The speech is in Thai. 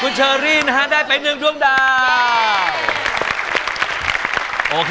อ่ะเชอรี่ก็ได้ไป๑ดวงดาว